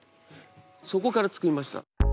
そこから作りました。